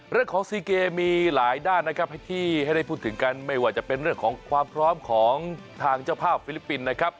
เรื่องของซีเกมมีหลายด้านนะครับที่ให้ได้พูดถึงกันไม่ว่าจะเป็นเรื่องของความพร้อมของทางเจ้าภาพฟิลิปปินส์นะครับ